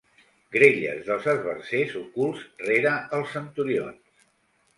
Grelles dels esbarzers ocults rere els centurions.